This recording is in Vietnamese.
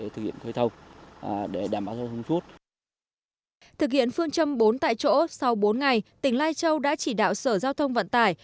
thực hiện phương châm bốn tại chỗ sau bốn ngày tỉnh lai châu đã chỉ đạo sở giao thông vận tải